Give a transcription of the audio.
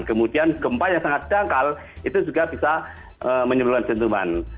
kemudian gempa yang sangat dangkal itu juga bisa menyeluruhkan dentuman